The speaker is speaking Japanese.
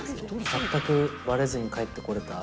全くばれずに帰ってこれた。